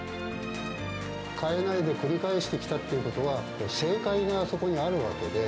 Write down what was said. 変えないで繰り返してきたってことは、正解がそこにあるわけで。